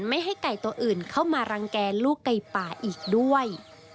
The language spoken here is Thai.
ไม่ให้ไก่ตัวอื่นเข้ามารังแก่ลูกไก่ป่าอีกด้วย